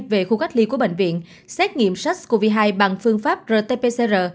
về khu cách ly của bệnh viện xét nghiệm sars cov hai bằng phương pháp rt pcr